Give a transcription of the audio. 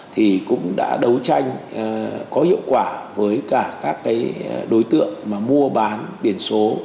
thì cũng đã đấu tranh có hiệu quả với cả các cái đối tượng mà mua bán biển số